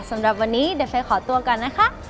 สำหรับวันนี้เดี๋ยวไปขอตัวก่อนนะคะ